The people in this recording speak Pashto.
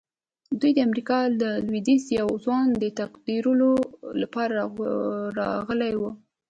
دوی د امریکا د لويديځ د یوه ځوان د تقدیرولو لپاره راغلي وو